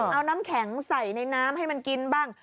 เอาน้ำแข็งใส่ในน้ำให้มันกินบ้าง